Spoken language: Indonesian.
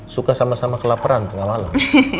suka sama sama kelaparan tengah malam